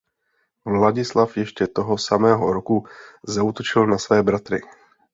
Vladislav ještě toho samého roku zaútočil na své bratry.